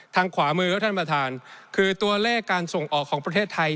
ขวามือครับท่านประธานคือตัวเลขการส่งออกของประเทศไทย